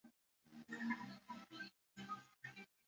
Hay actividades, concursos de pesca y multitudinario fandango.